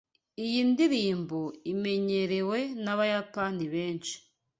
Iyi ndirimbo imenyerewe nabayapani benshi.